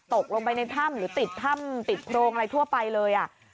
ตกลงไปในถ้ำหรือติดถ้ำติดโพรงอะไรทั่วไปเลย